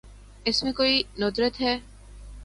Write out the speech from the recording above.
اس میں کوئی ندرت ہے۔